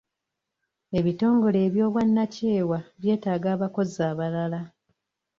Ebitongole eby'obwannakyewa byetaaga abakozi abalala.